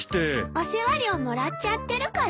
お世話料もらっちゃってるから。